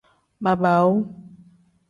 Baabaawu.